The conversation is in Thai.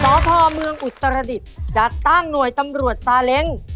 สพเมืองอุตรดิษฐ์จัดตั้งหน่วยตำรวจซาเล้ง